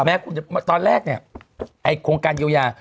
ตอนแรกเนี่ยไอ้โครงการเยียวยา